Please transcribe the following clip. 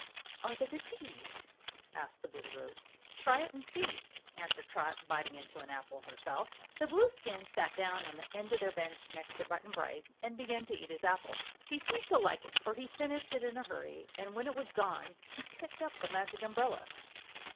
"Are they good to eat?" asked the Boolooroo. "Try it and see," answered Trot, biting into an apple herself. The Blueskin sat down on the end of their bench, next to Button Bright, and began to eat his apple. He seemed to like it, for he finished it in a hurry, and when it was gone he picked up the Magic Umbrella.